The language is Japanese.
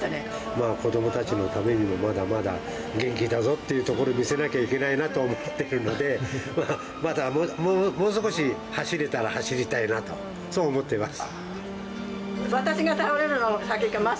まあ子どもたちのためにも、まだまだ元気だぞっていうところを見せなきゃいけないと思っているので、まだもう少し走れたら走りたいなと、そう思ってます。